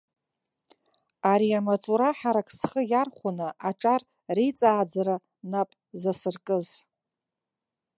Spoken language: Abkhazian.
Ари амаҵура ҳарак схы иархәаны, аҿар реиҵааӡара нап засыркыз.